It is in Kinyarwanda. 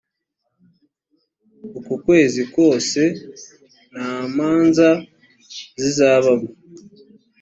uku kwezi kose nta manza zizabamo